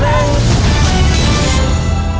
ตัวเลือกที่สี่๑๐เส้น